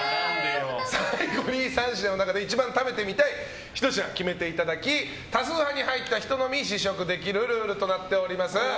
最後に３品の中で一番食べてみたい１品を決めていただき多数派に入った人のみ試食できるルールとなっています。